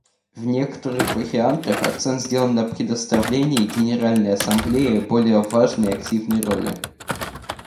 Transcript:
В некоторых вариантах акцент сделан на предоставлении Генеральной Ассамблее более важной и активной роли.